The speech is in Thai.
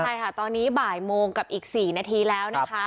ใช่ค่ะตอนนี้บ่ายโมงกับอีก๔นาทีแล้วนะคะ